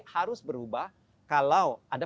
harus berubah kalau ada